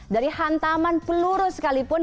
dari hantaman peluru sekalipun